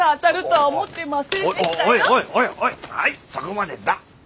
はいそこまでだ。